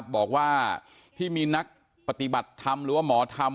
บอกว่าที่มีนักปฏิบัติธรรมหรือว่าหมอธรรม